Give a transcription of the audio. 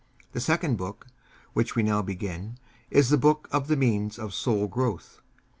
The second book, which we now begin, is the Book of the Means of Soul Growth.